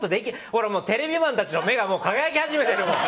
ほらテレビマンたちの目が輝き始めてるもん。